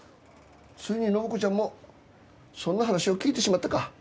ついに暢子ちゃんもそんな話を聞いてしまったか。